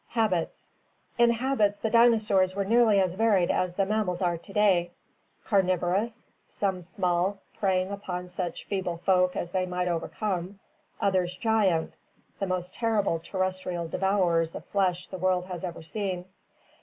Habits. — In habits the dinosaurs were nearly as varied as the mammals are to day — carnivorous, some small, preying upon such feeble folk as they might overcome, others gigantic, the most terrible terrestrial devourers of flesh the world has ever seen.